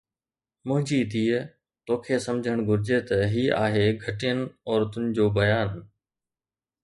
منهنجي ڌيءَ، توکي سمجھڻ گهرجي ته هي آهي گهٽين عورتن جو بيان.